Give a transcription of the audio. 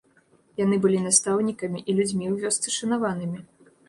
Яны былі настаўнікамі і людзьмі ў вёсцы шанаванымі.